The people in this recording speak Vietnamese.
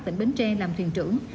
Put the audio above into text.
tỉnh bến tre làm thuyền trưởng